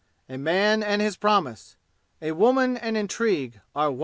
"A man and his promise a woman and intrigue are one!"